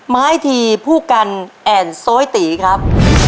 ไม้ทีผู้กันแอ่นโซยตีครับ